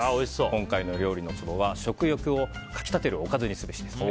今回の料理のツボは食欲をかきたてるおかずにすべし。